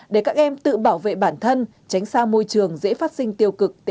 để các em tự bảo vệ bản thân tránh xa môi trường dễ phát sinh tiêu cực tệ nạn xã hội